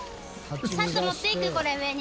サッと持っていってこれ上に。